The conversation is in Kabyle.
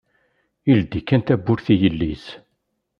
Ileddi kan tawwurt i yelli-s